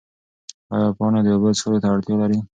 ایا پاڼه د اوبو څښلو ته اړتیا لري؟